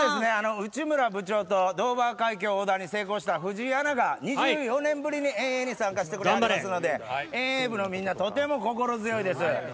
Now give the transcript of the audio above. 内村部長とドーバー海峡横断に成功した藤井アナが２４年ぶりに遠泳に参加してくれますので、遠泳部のみんな、とても心強いです。